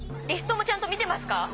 リストもちゃんと見てますか？